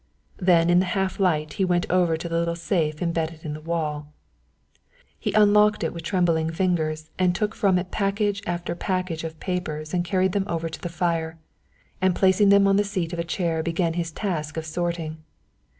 Then in the half light he went over to the little safe embedded in the wall. He unlocked it with trembling fingers and took from it package after package of papers and carried them over to the fire, and placing them on the seat of a chair began his task of sorting.